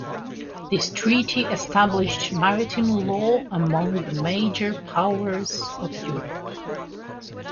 This treaty established maritime law among the major powers of Europe.